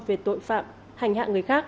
về tội phạm hành hạ người khác